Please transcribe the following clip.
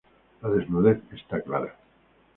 La desnudez está clara.